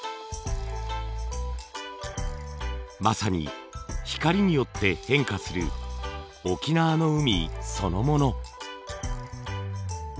まさに光によって変化する沖縄の海そのもの。